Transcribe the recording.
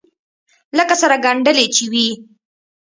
لکه سره گنډلې چې وي.